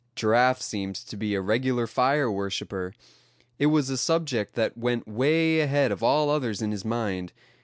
Giraffe seemed to be a regular fire worshipper. It was a subject that went away ahead of all others in his mind.